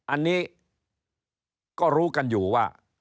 อันนี้ก็รู้กันอยู่ว่า